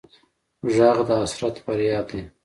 غږ د حسرت فریاد دی